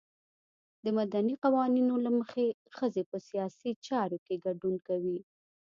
د مدني قوانینو له مخې ښځې په سیاسي چارو کې ګډون کوي.